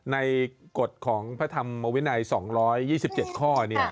ในกฎของพระธรรมอวินัย๒๒๗ข้อเนี่ย